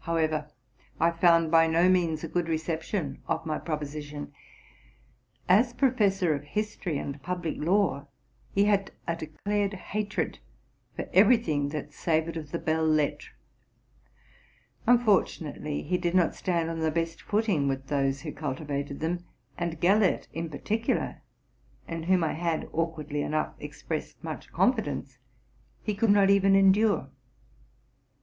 However, I found by no means a good reception of my proposition. As professor of history and public law, he had a declared hatred for every thing 'that savored of the belles lettres. Unfortunately he did not stand: on the best footing with those who cultivated them; and Gellert in par ticular, i in whom I had, awkwardly enough, expressed much confidence, he could not even endure.